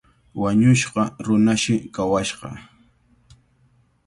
Wañushqa runashi kawashqa.